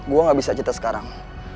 gue gak bisa cerita sekarang